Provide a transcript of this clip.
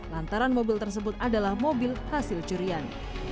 lantaran mobil tersebut adalah mobil hasil curian